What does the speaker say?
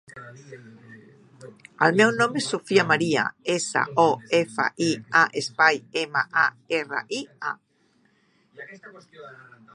El meu nom és Sofia maria: essa, o, efa, i, a, espai, ema, a, erra, i, a.